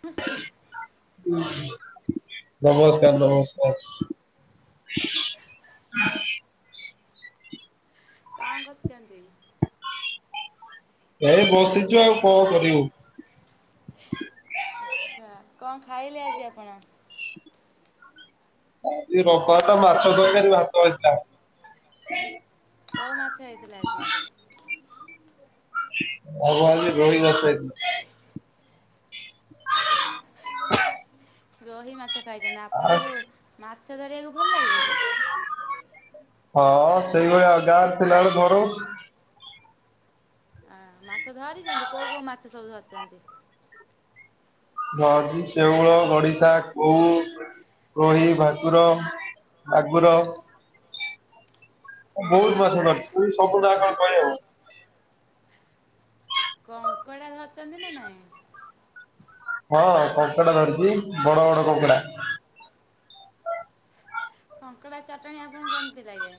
ନମସ୍କାର ନମସ୍କାର ନମସ୍କାର। କଣ କରୁଛନ୍ତି? ଏଇ ବସିଛୁ ଆଉ କଣ କରିବୁ। ଆଚ୍ଛା। କଣ ଖାଇଲେ ଆଜି ଆପଣ? ଆଜି ରବିବାରଟା ମାଛ ତରକାରୀ ଭାତ ହେଇଥିଲା। କେଉଁ ମାଛ ହେଇଥିଲା ଆଜି? ଆମର ଆଜି ରୋହି ମାଛ ହେଇଥିଲା। ରୋହି ମାଛ ଖାଇଛନ୍ତି। ଆ ଆପଣଙ୍କୁ ମାଛ ଧରିବାକୁ ଭଲ ଲାଗେ? ହଁ ସେଇଭଳିଆଉ ଗାଁରେ ଥିଲା ବେଳେ ଧରୁ। ଆ ମାଛ ଧରିଛନ୍ତି। କୋଉ କୋଉ ମାଛ ସବୁ ଧରିଛନ୍ତି? ଧରିଛି ସେଉଳ, ଗଡିଶା, କଉ ରୋହି, ଭାକୁର, ମାଗୁର ବହୁତ କଙ୍କଡ଼ା ମାଛ କେବେ ଧରିଛି। ସବୁଗୁଡା କଣ କହିହେବ? କଙ୍କଡ଼ା ଧରିଛନ୍ତି ନା ନାଇଁ? ହଁ କଙ୍କଡ଼ା ଧରିଛି ବଡ ବଡ କଙ୍କଡ଼ା। କଙ୍କଡ଼ା ଚଟଣି ଆପଣଙ୍କୁ କେମିତି ଲାଗେ?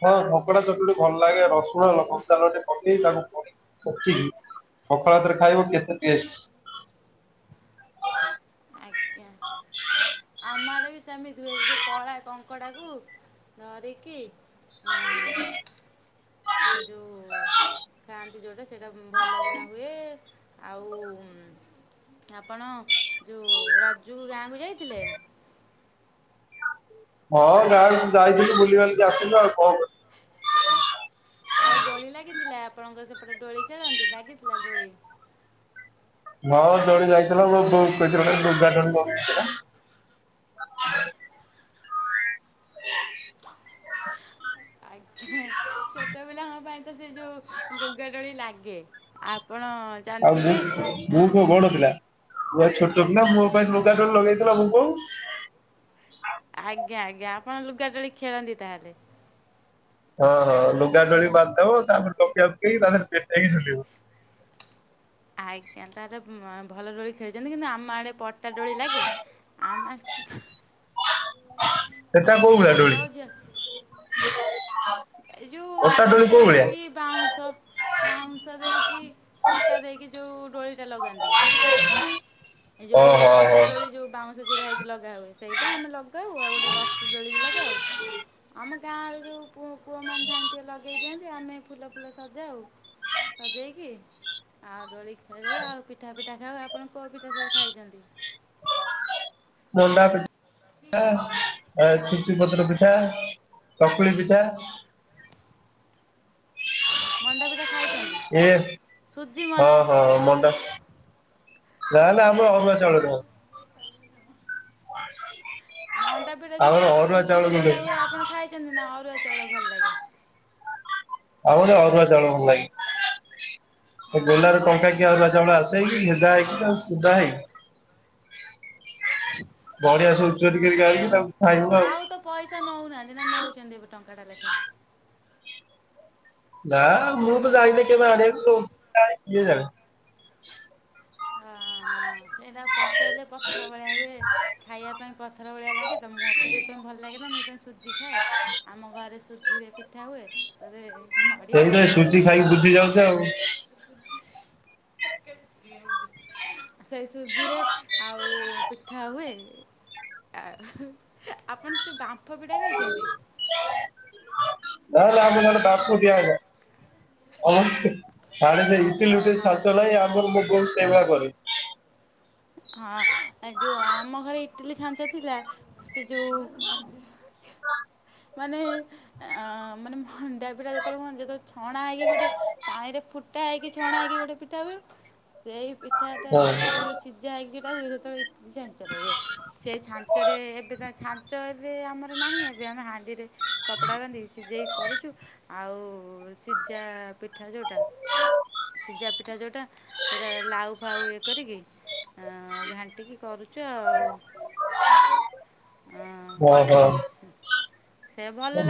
ହଁ କଙ୍କଡ଼ା ଚଟୁଆଣି ଭଲଲାଗେ, ରସୁଣ ଲ କଞ୍ଚାଲଙ୍କା ପକେଇ ତାକୁ ପୋଡିକି ଛେଚିକି ପଖାଳ ଭାତରେ ଖାଇବ କେତେ ଟେଷ୍ଟ। ଆଜ୍ଞା। ଆମ ଆଡ଼େ ବି ସେମିତି ହୁଏ। ଯୋଉ କଳା କଙ୍କଡ଼ାକୁ ଧରିକି ଆ ସେଇଟା ଯୋଉ ଖାଆନ୍ତି, ଯୋଉଟା ସେଇଟା ଭଲ କିନା ହୁଏ। ଆଉ ଆପଣ ଯୋଉ ରଜକୁ ଗାଁକୁ ଯାଇଥିଲେ? ହଁ ଗାଁକୁ ଯାଇଥିଲି ବୁଲିିବାଲିିକି ଆସିଲୁ ଆଉ କଣ କରିବୁ। ଆଉ ଡୋଳି ଲାଗିଥିଲା। ଆପଣଙ୍କ ସେପଟେ ଡୋଳି ଖେଳନ୍ତି ଲାଗିଥିଲା ଡୋଳି? ହଁ ଡୋଳି ଲାଗିଥିଲା ମୁଁ ବୋଉକୁ କହିଥିଲି ଗୋଟେ ଲୁଗା ଦୋଳି ଲଗେଇ ଦେଇଥିଲା। ଆଜ୍ଞା। ଛୋଟ ପିଲାଙ୍କ ପାଇଁ ତ ସେ ଯେଉ ଲୁଗାଡୋଳି ଲାଗେ। ଆପଣ ଆଉ ମୁଁ, ଜାଣିଥିବେ ମୁଁ ଆଁ କଣ ବଡ଼ପିଲା? ମୁଁ ବା ଛୋଟ ପିଲା ମୋ ପାଇଁ ଲୁଗା ଦୋଳି ଲଗେଇ ଦେଇଥିଲା ମୋ ବୋଉ। ଆଜ୍ଞା ଆଜ୍ଞା। ଆପଣ ଲୁଗା ଦୋଳି ଖେଳନ୍ତି ତା ହେଲେ? ହଁ ହଁ ଲୁଗା ଦୋଳି ବାନ୍ଧିଥିବ ତା ଉପରେ ତକିଆ ପକେଇ ତା ଦେହରେ ପଟେଇ ଝୁଲିବୁ। ଆଜ୍ଞା। ତାହାଲେ ଭଲ ଡୋଳି ଖେଳିଛନ୍ତି। କିନ୍ତୁ ଆମ ଆଡ଼େ ପ ଟା ଡୋଳି ଲାଗେ ଆମ ସେଟା କୋଉ ସମସ୍ତେ ଭଳିଆ ଦୋଳି ଲଗାଉଛି। [unintelligible] ଏ ଯେଉଁ ଅଟା ଦୋଳି ପଟା କୋଉ ଭଳିଆ ଦେଇକି ବାଉଁଶ ବାଉଁଶ ଦେଇକି ପଟା ଦେଇକି ଯୋଉ ଡୋଳି ଟା ଲଗାନ୍ତି ଏ ଯୋଉ ଓହୋ ହୋ। ପଟା ଡୋଳି ଯୋଉ ବାଉଁଶ ଜିରା ହୋଇକି ଲଗା ହୁଏ ସେଇଟା ଆମେ ଲଗାଉ ଆଉ ଗୋଟେ ରଶି ଗୋଳି ବି ଲଗାଉ। ଆମ ଗାଁରେ ଯୋଉ ପୁଅ ପୁଅ ମାନେ ଥାନ୍ତି ଲଗେଇ ଦିଅନ୍ତି ଆମେ ଫୁଲ ଫୁଲ ସଜାଉ। ସଜେଇକି ଆଉ ଦୋଳି ଖ ଦେବେ ଆଉ ପିଠା ପିଠା ଖାଉ। ଆପଣ କେଉଁ ପିଠା ସବୁ ଖାଇଛନ୍ତି? ମଣ୍ଡା ପିଠା ଆ ଚୁଚ ପତ୍ର ପିଠା, ଚକୁଳି ପିଠା ମଣ୍ଡାପିଠା ଖାଇଛନ୍ତି ଏ ସୁଜି ହଁ ମଣ୍ଡା ହଁ ମଣ୍ଡା ନହେଲେ ଆମର ଅରୁଆ ଚାଉଳରେ ହବ। ମଣ୍ଡା ପିଟା ଯୋଉ ଆମର ଅରୁଆ ଚାଉଳ ସୁଜିରେ ଯେଉଁଟା ଗୁଣ୍ଡ। ହୁଏ ଆପଣ ଖାଇଛନ୍ତି ନା ଅରୁଆ ଚାଉଳ ଭଲ ଲାଗେ? ଆଉ ମତେ ଅରୁଆ ଚାଉଳ ଭଲ ଲାଗେ ସେ ଅଢ଼େଇଶ ବେଲାରେ ଅଢ଼େଇଶ ଟଙ୍କାକିଆ ଅରୁଆ ଚାଉଳ ଆସେ ଯାଉଚ କି ଯାଇଲ ସୁଦା ଭାଇ ବଢିଆ ସବୁ ହଁ ଚୋରି କରି ହଁ ଆଲେଣି ତାକୁ ଖାଇବୁ ଆଉ। ପଇସା ନୋଉନାହାନ୍ତି ନା ନୋ ଉଛନ୍ତି ଏବେ ଟଙ୍କାଟେ ଲେଖାଁ? ନା ମୁଁ ତ ଜାଇନି କେବେ ଆଣିବାକୁ କିଏ ଯାଏ? ହଁ ହଁ ସେଇଟା ପକେଇଲେ ପଥର ଭଳିଆ ହୁଏ। ଖାଇବା ପାଇଁ ପଥର ଭଳିଆ ଲାଗେ ତ ମୋତେ ସେଥିପାଇଁ ଭଲ ଲାଗେ ନା ମୁଁ ସେଥିପାଇଁ ସୁଜି ଖାଏ ଆମ ଘରେ ସୁଜିରେ ପି ଠା ହୁଏ ତ ବେ ନଡ଼ିଆ ସେଇଥିପାଇଁ ବାଡ଼େଇବି ସୁଜି ଖାଇକି ବୁଝି ଯାଉଚି ଆଉ [unintelligible] ସେଇ ସୁଜିରେ ଆଉ ପିଠା ହୁଏ। ଆ ଆପଣ ସେ ବାମ୍ଫ ପିଠା ଖାଇଛନ୍ତି? ହେ ର ଦିନେ ପାର୍ଶୁ ଟିଏ ଆଇଲା ଆଉ ସାଡେ ଥିଲି କହିଲୁ ନା ସେ ହଁ ଛାଚ ନାଇଁ ଆମର ମୁଗ ସେଇ ଭଳିଆ କରେ। ହଁ ଆ ଯୋଉ ଆମ ଘରେ ଇଟିଲି ଛାଞ୍ଚ ଥିଲା ସେ ଯୋଉ ମାନେ ଅ ମାନେ ହଣ୍ଡା ପିଲା ଯେତେବେଳେ ହୁଅନ୍ତି ଯେତେବେଳେ ଛଣା ହେଇକି ଗୋଟେ ପାଣି ରେ ଫୁଟା ହେଇକି ଛଣା ହେଇକି ଗୋଟେ ପିଠା ହୁଏ। ସେଇ ପିଠାଟା ଯେତେବେଳେ ଯୋଉ ହଁ ସିଝା ହେଇକିଟା ହୁଏ। ସେତେବେଳେ [unintelligible] ହୁଏ। ସେ ଛାଞ୍ଚରେ ଏବେ ଛାଞ୍ଚ ଏବେ ଆମର ନାହିଁ। ଏବେ ଆମେ ହା ଧିରେ କପଡା ବାନ୍ଧିକି ସିଯେଇ କରୁଛୁ? ଆଉ ସିଝା ପିଠା ଯୋଉଟା। ସିଝା ପିଠା ଯୋଉଟା ସେଇଟା ଲାଉ ଫାଉ ଇଏ କରିକି ଆ ଘାଣ୍ଟିକି କରୁଛୁ ଆଉ ଆଁ ଓହୋ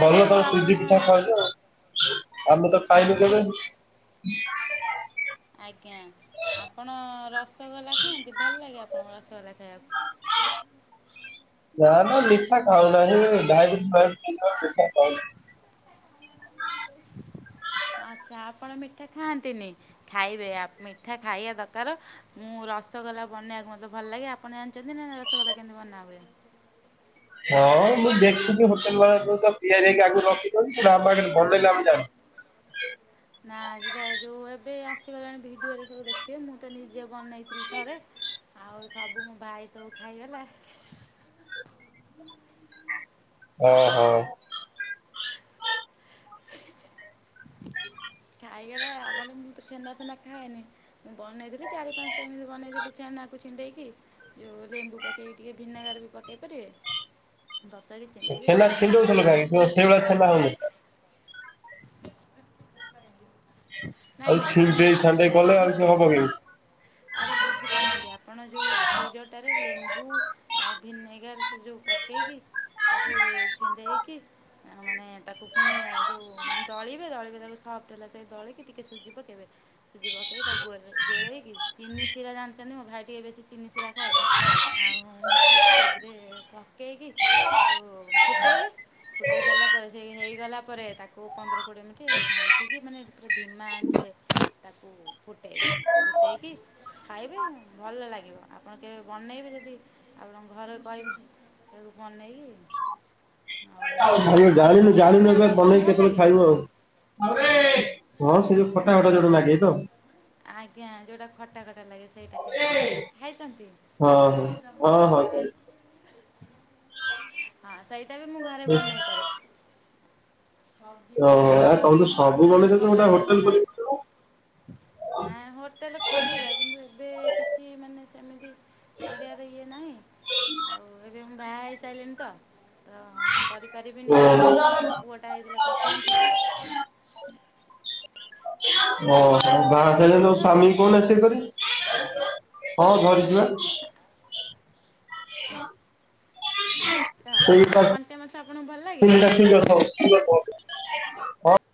ଲାଗେ ଆଉ ତମ ଆପଣ ସୁଜି ପିଠା ଖାଉଛ ଆଉ ଆମେ ତ ହଁ ପାଇବୁ ସୁ କେବେ? ଆଜ୍ଞା ଆପଣ ରସଗୋଲା ଖାଆନ୍ତି। ଭଲ ଲାଗେ ଆପଣଙ୍କୁ ରସଗୋଲା ଖାଇବାକୁ? ନା ନା ମିଠା ଖାଉନାହିଁ ଡାଇବେଟିସ ମିଠା ଖାଉନି। ଆଚ୍ଛା ଆପଣ ମିଠା ଖାଆନ୍ତିନି? ଖାଇବେ ମିଠା ଖାଇବା ଦରକାର ମୁଁ ରସଗୋଲା ବନେଇ ବାକୁ ମତେ ଭଲ ଲାଗେ। ଆପଣ ଜାଣିଛନ୍ତି ନା ରସଗଲା କେମିତି ବନା ହୁଏ? ହଁ ମୁଁ ଦେଖୁଛି ହୋଟେଲ ମାନରେ ତିଆରି ହେଇକି ଆଗରୁ ରଖିଦଉଛି ପାମ ପାଖରେ ବନେଇଲେ ଆମ ନା ଯିବା ଯୋଉ ଏବେ ଆସିଗଲାଣି ଭିଡିଓରେ ସବୁ ଦେଖି କିଏ ମୁଁ ତ ନିଜେ ବନେଇଥିଲି ଥରେ ଆଉ ସବୁ ମୋ ଭାଇ ସବୁ ଖାଇଗଲା। ଓହୋ। ଖାଇଗଲେ କଲେ ମୁଁ ତ ଛେନାଫେନା ଖାଏନି। ମୁଁ ବନେଇଥିଲି ଚାରି ପାଞ୍ଚା ସେ ଏମିତି ବନେଇ ଛେନାକୁ ଛିଣ୍ଡେଇକି ଯେଉଁ ଲେମ୍ବୁ ପକେଇକି ଟିକେ ଭିନେଗାର ବି ପକେଇ ପାରିବେ। ତରତରେ ଚିଣ୍ଡେଇକି ଯୋଉ ଛେନା ରୋଷେଇ ବଛା [unintelligible] ନାଇଁ ଆଉ ନାଇଁ ମାନେ ଛିଣ୍ଡେଇ ଛାଣ୍ଡେଇ କଲେ ବୁଝି ଆଉ ସେ ହବନି। ଆରେ ବୁଝିପାରୁନାହାନ୍ତି ଆପଣ ଯେଉଁ କ୍ଷୀରଟାରେ ଲେମ୍ବୁ ଆଉ ଭିନେଗାର ସେ ଯେଉଁ ପକେଇକି ତାକୁ ଛିଣ୍ଡେଇକି ଆ ମାନେ ତାକୁ ପୁଣି ଯୋଉ ମାନେ ଦଳିବେ ଦଳିବେ ତାକୁ ସଫ୍ଟ ହେଲା ଦଳିକି ଟିକେ ସୁଜି ପକେଇବେ। ସୁଜି ପକେଇ ତାକୁ ଗୋଳେଇକି ଚିନି ଶିରା ଜାଣିଛନ୍ତି ମୋ ଭାଇ ଟିକେ ବେଶୀ ଚିନି ଶିରା ଖାଏ ତ। ଆଉ ସେଥିରେ ପକେଇକି ତାକୁ ଫୁଟେଇବେ। ଫୁଟେଇ ସାରିଲା ପରେ ସେ ହେଇଗଲା ପରେ ତାକୁ ପନ୍ଦର କୋଡିଏ ମିନିଟ୍ ଢାଙ୍କିକି ମାନେ ପୁର ଧିମା ଆଞ୍ଚିରେ ତାକୁ ଫୁଟେଇବେ ଫୁଟେଇକି ଖାଇବେ ଭଲ ଲାଗିବ ଆପଣ କେବେ ବନେଇବେ ଯଦି ଆପଣଙ୍କ ଘରେ କହିବେ। ତାକୁ କଣ ନେଇକି ଜାଣିନୁ ଗୁପଚୁପ୍ ଜାଣିନୁ ଖାଇବାକୁ ଆପଣଙ୍କୁ ବନେଇ ଭଲ କେତେବେଳେ ଲାଗେ ଖାଇବୁ ଆଉ। ହଁ ସେ ଯୋଉ ଖଟା ଖଟା ଗୁପଚୁପ୍ ଯୋଉଟା ଖାଆନ୍ତି ଲାଗେ ତ। ଆଜ୍ଞା ଯୋଉଟା ଖଟା [unintelligible] ହଁ ଖାଇଚନ୍ତି ହଁ [unintelligible] ହଁ ହଁ ଖାଇଛି। ହଁ ସେଇଟା ବି ମୁଁ ଘରେ ବନେଇପାରେ। ଓହୋ ଆଉ ତମେ ତ ସବୁ ବନେଇ ଚିକେନ୍ ଦଉଛ ଗୋଟେ ପକଡ଼ା ବି ହୋଟେଲ ଖୋଲି ବନାଏ। ନା [unintelligible] ଖୋଲିବା କିନ୍ତୁ ଏବେ କିଛି ମାନେ ସେମିତି କରିବାର ଇଏ ନାହିଁ। ଆଉ ଏବେ ମୁଁ ବାହା ହେଇସାରିଲିଣି ତ ତ କରିପାରିବିନି ଓହୋ ତ ପୁଅଟା ହେଇଥିଲେ କରିଥାନ୍ତି। ଓ ଆପଣ ବାହା କଣ୍ଟିଆ ମାଛ ହେଇସାରିଲେଣି କେବେ ତମ ସ୍ୱାମୀ କୁ ଧରିଛନ୍ତି? କହୁନ ସିଏ କରିବେ। ହଁ ଧରି [unintelligible] ଯାହଉ କଣ୍ଟିଆ ମାଛ ଆପଣଙ୍କୁ ଭଲ ଲାଗେ? [unintelligible]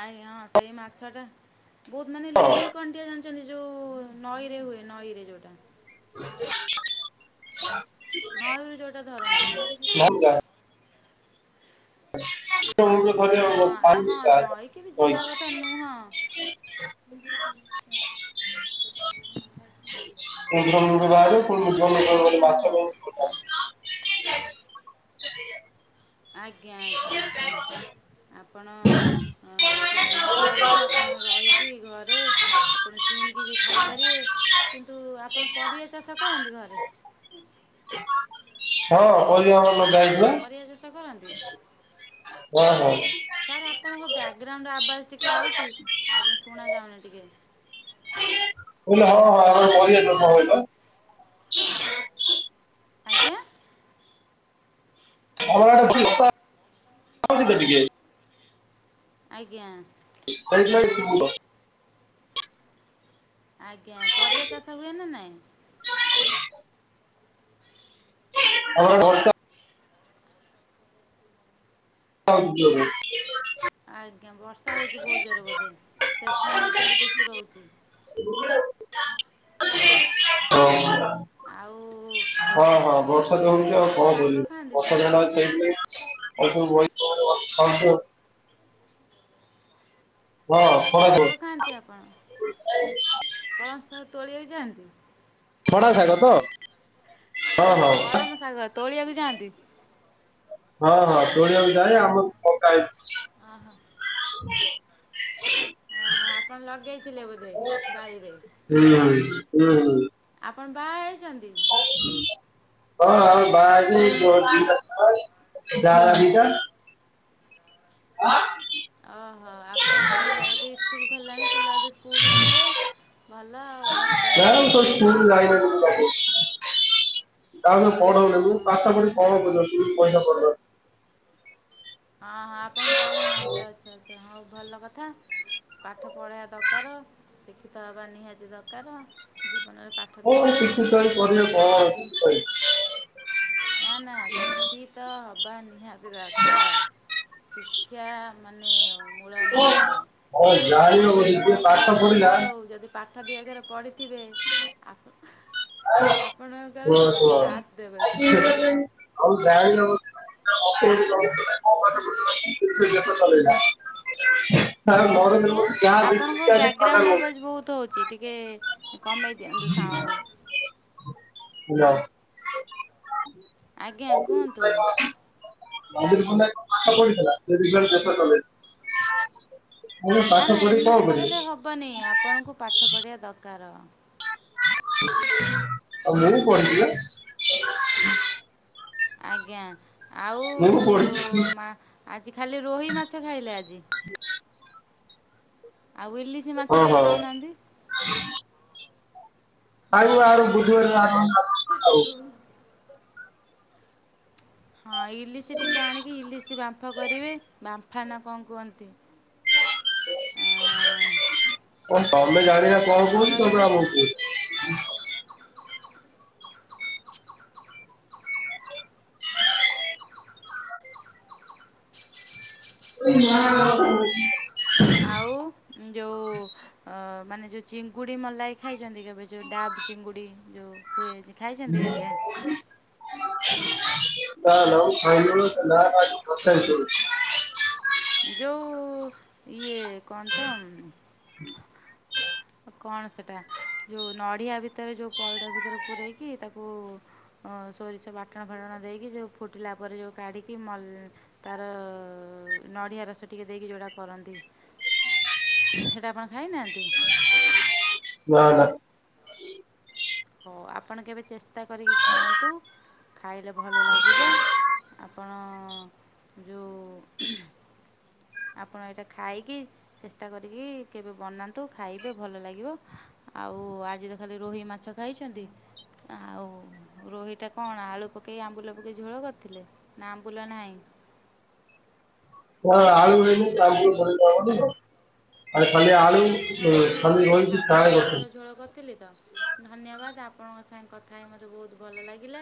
ଆଜ୍ଞା ହଁ ସେଇ ମାଛ ଟା ବହୁତ୍ ମାନେ ଲୁଣି କଣ୍ଟିଆ ଜାଣିଚନ୍ତି ଯୋଉ ନଈ ରେ ହୁଏ ନଈ ରେ ଯୋଉଟା [inaudible] ନଈ ରୁ ଯୋଉଟା ଧରନ୍ତି। ଆଉ ହଁ ନଈକି ବି ଯିବା କଥା [unintelligible] ନୁହଁ। [unintelligible] ଆଉ ଯିବା [unintelligible] କଥା ନୁହଁ। [unintelligible] ଆଜ୍ଞା ଆଜ୍ଞା ଆଜ୍ଞା ଆପଣ ହଁ ସେ ନ ଯାଇକି ଆପଣ ରହିକି ଘରେ ଆପଣ କିଣିକି ବି ଖାଇପାରିବେ କିନ୍ତୁ ଆପଣ ପରିବା ଚାଷ କରନ୍ତି ଘରେ? ହଁ ପରିବା ଆମର ଲଗାହେଇଚି ପା। ପରିବା ଚାଷ କରନ୍ତି? ଓ ହୋ। ସାର୍ ଆପଣଙ୍କ ବ୍ୟାକଗ୍ରାଉଣ୍ଡ୍ ଆବାସ ଟିକେ ଆଉଛି ଆପଣ ଶୁଣାଯାଉନି ଟିକେ। ମୁଁ କହିଲି ହଁ ଆମର [unintelligible] [inaudible] ଆଜ୍ଞା। ଅଲଗା [unintelligible] ଟିକେ। ଆଜ୍ଞା। ପ- [inaudible] ଆଜ୍ଞା ପରିବା ଚାଷ ହୁଏ ନା ନାଇଁ? [inaudible] ଆମର [unintelligible] [inaudible] ଆଜ୍ଞା ବର୍ଷା ହଉଛି ବହୁତ୍ ଜୋରେ ବୋଧେ ସେଥିପାଇଁ ନେଟୱାର୍କ ଇସୁ ରହୁଛି। ହଁ। ହଁ ହଁ ବର୍ଷା ଆଉ ତ ହଉଛି ଆଉ ଶାଗ କଣ ଖାଆନ୍ତି ଶାଗ କରିବୁ ବର୍ଷା [unintelligible] [unintelligible] ଶାଗ ହଁ [unintelligible] ହଁ ସେ ତୋଳିବାକୁ ଯାଆନ୍ତି। ଖଡ଼ା ଶାଗ ତ ନା ହଁ ନା ହଁ କଳାମ ଶାଗ ତୋଳିବାକୁ ଯାଆନ୍ତି। ହଁ ତୋଳିବାକୁ ଯାଏ ଆମର ବି ପକା ହେଇଛି। ଓ ହୋ। [inaudible] ଓ ହୋ ଆପଣ ଲଗେଇଥିଲେ ବୋଧେ ବାରିରେ? ହୁଁ ହୁଁ ହୁଁ ହୁଁ ଆପଣ ବାହା ହେଇଛନ୍ତି? ହଁ ଆଉ ବାହା ହେଇକି ଦିଟା ଛୁଆ ଯାଆଁଳା ଦିଟା। ହଁ। ଓହୋ ଆପଣଙ୍କର ପିଲା ଏବେ ଇସ୍କୁଲ ଖୋଲିଲାଣି ପିଲା ଏବେ ଇ ସ୍କୁଲ ଯିବେ ଭଲ ଆଉ ଘରେ ଟେନସନ୍ ମୁଁ ତ ନଥିବ। ସ୍କୁଲ ଯାଇନାହାନ୍ତି ବାବୁ। ଓହୋ ହଁ ହଁ [inaudible] ହଁ ହଁ ଆପଣ ପଢୁନାହାନ୍ତି ଆଚ୍ଛା ଆଚ୍ଛା ହଉ ଭଲ କଥା। ପାଠ ପଢ଼େଇବା ଦରକାର ଶିକ୍ଷିତ ହେବା ନିହାତି ଦରକାର। ଜୀବନରେ ପାଠ କଣ ଦିଅକ୍ଷର ଶିକ୍ଷିତ ହେଇ ପଢ଼ିଲେ କରିବ ସିନା କଣ ଅଛି କରିବି। କହିବି। ନା ନା ଶିଖିତ ହେବା ନିହାତି ଦରକାର। ଶିକ୍ଷା ମାନେ ଅ ମୂଳମନ୍ତ୍ର ହଁ ଆପଣଙ୍କ ଜାଣିବ ବୋଲି ପାଖରେ ଯିଏ କିଏ ପାଠ ସାତ୍ ଦଉ ପଢିଲା ନଦେଉ ଯଦି ପାଠ ଦିଅକ୍ଷର ପଢ଼ିଥିବେ ଆପ କୁହ କୁହ ଦେବେ ସେ। ଆଜ୍ଞା [inaudible] ଆପଣଙ୍କ ବ୍ୟାକଗ୍ରାଉଣ୍ଡ [inaudible] [inaudible] ଆବାଜ ବହୁତ ହଉଛି ଟିକେ କମେଇ ଦିଅନ୍ତୁ ସାଉଣ୍ଡ। ନା [inaudible] [inaudible] ଆଜ୍ଞା କୁହନ୍ତୁ। କାନ୍ଦି କୁନ୍ଦା କି ପାଠ ପଢିଥିଲା ସେ ବି ପୁଣି ଶେଷ କଲେଜ୍। ମୁଁ କହିନି ନା ପାଠ ନା ପଢିକି ଏମିତି କଣ କରିବେ? କହିଲେ ହେବନି ଆପଣଙ୍କୁ ପାଠ ପଢ଼ିବା ଦକାର। ଆଉ ମୁଁ ପଢ଼ିଛି ପା। ଆଜ୍ଞା ଆଉ ମୁଁ ପଢିଛି। ଆଜି ଖାଲି ରୋହି ମାଛ ଖାଇଲେ ଆଜି? ଆଉ ଇଲିଶି ମାଛ ଟିକେ ଓହୋ। ଖାଉନାହାନ୍ତି? ଖାଇବୁ ଆର ବୁଧବାର [inaudible] ହଁ ଇଲିଶି ଟିକେ ଆଣିକି ଇଲିଶି ବାମ୍ଫ କରିବେ ବା ଫାନା କଣ କୁହନ୍ତି ଆଁ କଣ ତମେ ଜାଣିନା କଣ ବାମ୍ଫା କହୁଛି ତମେ କରିକି ଆମକୁ କହୁ [inaudible] ଆଉ ଯଉ ଅ ମାନେ ଯୋଉ ଚିଙ୍ଗୁଡି ମଲାଇ ଖାଇଛନ୍ତି କେବେ ଯୋଉ ଡାବ୍ ଚିଙ୍ଗୁଡି ଯୋଉ? ହୁଏ ଖାଇଛନ୍ତି କେବେ? ନା ନା ମୁଁ ଖାଇନି [inaudible] ଯୋଉ ଇଏ କଣ ତ? ହୁଁ କଣ ସେଟା ଯଉ ନଡ଼ିଆ ଭିତରେ ଯଉ ପଇଡ ଭିତରେ ପୂରେଇକି ତାକୁ ସୋରିଷ ବାଟଣ ଫାଟଣ ଦେଇକି ଯଉ ଫୁଟିଲା ପରେ ଯଉ କାଢ଼ିକି ମଲ ତାର ନଡ଼ିଆ ରସ ଟିକେ ଦେଇକି ଯଉଟା କରନ୍ତି। ସେଇଟା ଆପଣ ଖାଇନାହାନ୍ତି? ନା ନା। ହଉ ଆପଣ କେବେ ଚେଷ୍ଟା କରିକି ଖାଆନ୍ତୁ। ଖାଇଲେ ଭଲ ଲାଗିବ ଆପଣ ଯଉ ଆପଣ ଏଇଟା ଖାଇକି ଚେଷ୍ଟା କରିକି କେବେ ବନାନ୍ତୁ ଖାଇବେ ଭଲ ଲାଗିବ। ଆଉ ଆଜି ତ ଖାଲି ରୋହି ମାଛ ଖାଇଛନ୍ତି। ଆଉ ରୋହିଟା କଣ ଆଳୁ ପକେଇ ଆମ୍ବୁଲ ପକେଇ ଝୋଳ କରିଥିଲେ? ନା ଆମ୍ବୁଲ ନାଇଁ? କଣ ଆଳୁ [inaudible] ଆ ଖାଲୀ ଆଳୁ ଖାଲୀ ରୋହିକି ଫ୍ରାଏ କରିଛି। ସେତେବେଳେ କରିଥିଲି ତ। ଧନ୍ୟବାଦ ଆପଣଙ୍କ ସାଙ୍ଗେ କଥା ହେଇ ମୋତେ ବହୁତ ଭଲ ଲାଗିଲା।